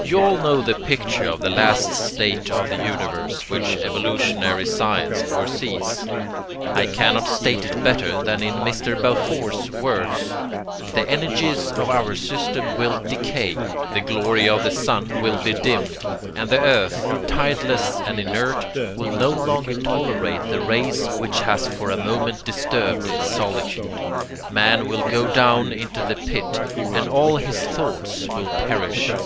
You all know the picture of the last state of the universe which evolutionary science foresees. I cannot state it better than in Mr. Balfour's words: "The energies of our system will decay, the glory of the sun will be dimmed, and the earth, tideless and inert, will no longer tolerate the race which has for a moment disturbed its solitude. Man will go down into the pit, and all his thoughts will perish.